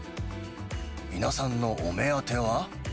皆さんのお目当ては。